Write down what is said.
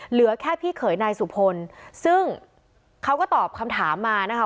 เหลือแค่พี่เขยนายสุพลซึ่งเขาก็ตอบคำถามมานะคะ